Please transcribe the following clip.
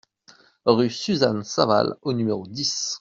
Rue Suzanne Savale au numéro dix